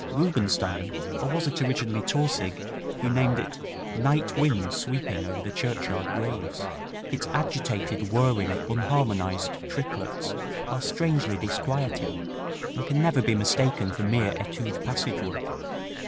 Rubinstein, or was it originally Tausig who named it "Night winds sweeping over the churchyard graves"? Its agitated, whirring, unharmonized triplets are strangely disquieting, and can never be mistaken for mere etude passage work.